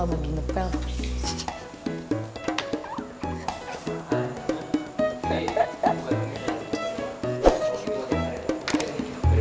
kamu tambah cakep kalo kamu ngepel